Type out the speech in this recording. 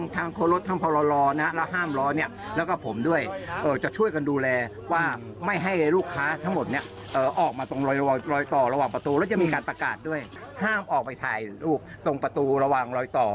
ถ่ายรูปตรงประตูระวังรอยต่อ